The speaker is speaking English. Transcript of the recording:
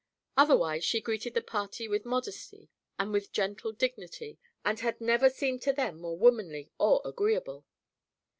Otherwise she greeted the party with modesty and with gentle dignity and had never seemed to them more womanly or agreeable.